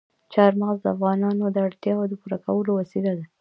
چار مغز د افغانانو د اړتیاوو د پوره کولو وسیله ده.